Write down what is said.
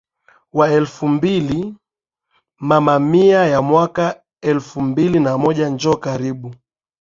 wa elfu mbili Mama Mia ya mwaka wa elfu mbili na moja Njo Karibu